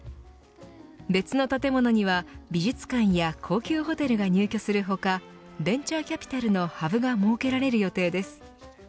別の建物には美術館や高級ホテルが入居する他ベンチャーキャピタルのハブが設けられる予定です。